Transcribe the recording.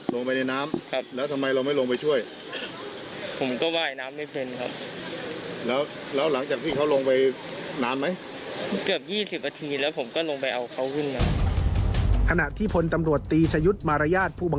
ลงไปในน้ำครับแล้วทำไมเราไม่ลงไปช่วย